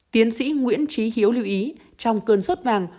tiến sĩ nguyễn trí hiếu lưu ý trong cơn sốt vàng